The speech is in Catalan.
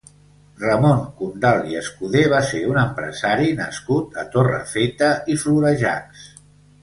Ramon Condal i Escudé va ser un empresari nascut a Torrefeta i Florejacs.